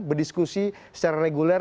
berdiskusi secara reguler